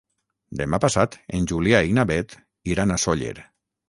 Demà passat en Julià i na Beth iran a Sóller.